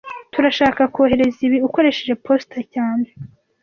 Turashaka kohereza ibi ukoresheje posita cyane